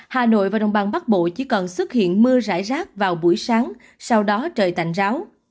hà nội và đồng bằng bắc bộ chỉ còn xuất hiện mưa rải rác vào buổi sáng sau đó trời tạnh ráo